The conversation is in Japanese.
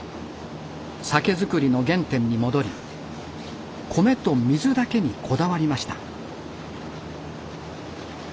酒造りの原点に戻り米と水だけにこだわりました。